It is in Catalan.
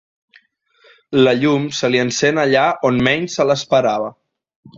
La llum se li encén allà on menys se l'esperava.